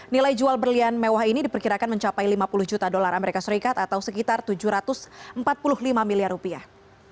nilai jual berlian mewah ini diperkirakan mencapai lima puluh juta dolar amerika serikat atau sekitar tujuh ratus empat puluh lima miliar rupiah